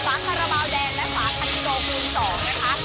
จากฟ้าธรรมดาวแดงและฟ้าธรรมดีสองนะครับ